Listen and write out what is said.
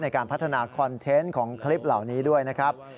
ในการพัฒนาคอนเทนต์ของคลิปเหล่านี้ด้วยนะครับ